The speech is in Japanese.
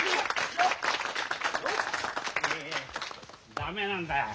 駄目なんだ。